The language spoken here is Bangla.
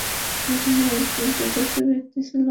ওই রুমে একজন চতুর্থ ব্যক্তি ছিল।